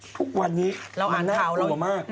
ทุกวันนี้น่ากลัวมาก